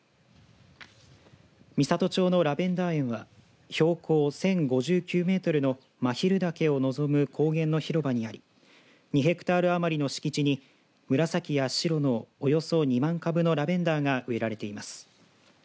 美郷町のラベンダー園は標高１０５９メートルの真昼岳を望む高原の広場にあり２ヘクタール余りの敷地に紫や白のおよそ２万株のラベンダーが植えられています。